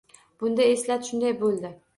Bunda elat shunday bo‘ldi